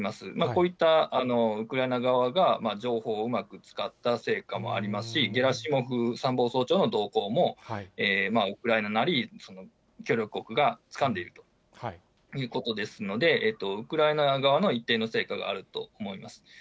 こういったウクライナ側が情報をうまく使った成果もありますし、ゲラシモフ参謀総長の動向も、ウクライナなり、協力国がつかんでいるということですので、ウクライナ側の一定の成果があると思います。